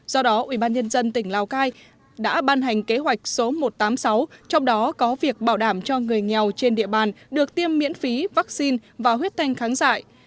do đó ubnd tỉnh lào cai đã ban hành kế hoạch số một trăm tám mươi sáu trong đó có việc bảo đảm cho người nghèo trên địa bàn được tiêm miễn phí vaccine và huyết thanh kháng dại